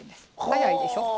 早いでしょ。